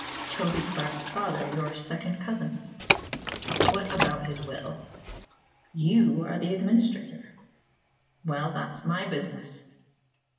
"Toby Clark's father; your second cousin." "What about his will?" "You are the administrator." "Well, that's my business."